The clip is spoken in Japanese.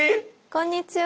こんにちは。